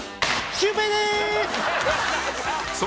シュウペイでーす。